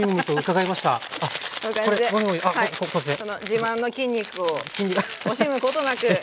自慢の筋肉を惜しむことなく使って。